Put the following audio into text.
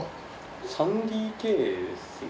３ＤＫですね。